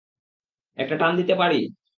একটা টান দিতে পারি?